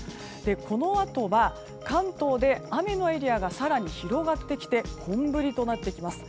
このあとは関東で雨のエリアが更に広がってきて本降りとなっていきます。